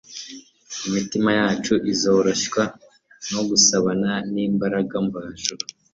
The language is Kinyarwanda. imitima yacu izoroshywa no gusabana n'imbaraga mvajuru.